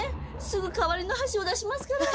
すぐ代わりの箸を出しますから。